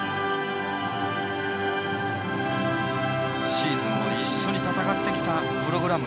シーズンを一緒に戦ってきたプログラム。